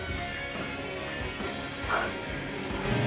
あっ。